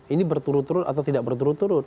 ini berturut turut atau tidak berturut turut